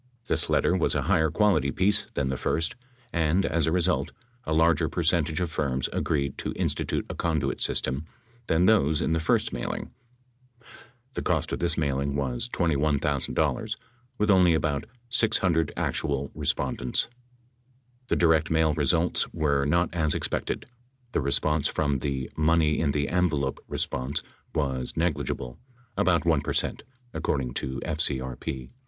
This letter was a higher quality piece than the first, and as a result, a larger percentage of firms agreed to institute a conduit system than those in the first mailing. The cost of this mailing was $21,000 with only about 600 actual respondents. The direct mail results were not as expected. The response from the "money in the envelope" response was negligible — about 1 per cent, according to FCRP.